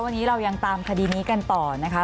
วันนี้เรายังตามคดีนี้กันต่อนะคะ